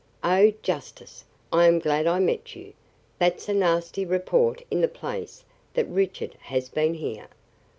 'Oh, justice, I am glad I met you. That's a nasty report in the place that Richard has been here.